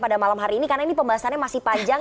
pada malam hari ini karena ini pembahasannya masih panjang